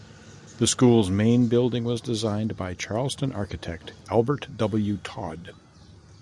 The school's main building was designed by Charleston architect Albert W. Todd.